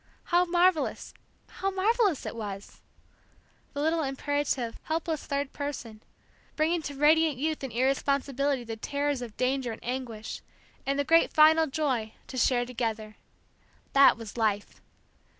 How marvellous how marvellous it was! The little imperative, helpless third person, bringing to radiant youth and irresponsibility the terrors of danger and anguish, and the great final joy, to share together. That was life.